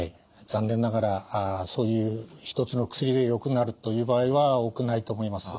残念ながらそういう一つの薬でよくなるという場合は多くないと思います。